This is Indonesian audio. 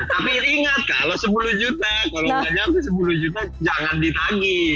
tapi ingat kalau rp sepuluh juta kalau nggak nyampe rp sepuluh juta jangan ditangi